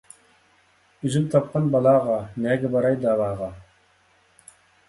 ئۆزۈم تاپقان بالاغا، نەگە باراي داۋاغا.